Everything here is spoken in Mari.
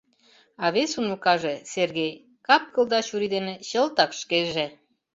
А вес уныкаже, Сергей, кап-кыл да чурий дене чылтак шкеже.